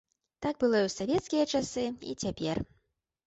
Так было і ў савецкія часы, і цяпер.